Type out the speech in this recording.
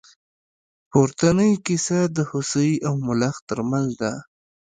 پورتنۍ کیسه د هوسۍ او ملخ تر منځ ده.